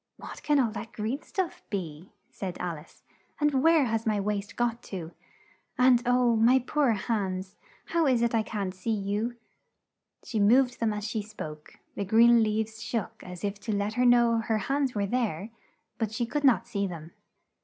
"What can all that green stuff be?" said Al ice. "And where has my waist got to? And oh, my poor hands, how is it I can't see you?" She moved them as she spoke; the green leaves shook as if to let her know her hands were there, but she could not see them.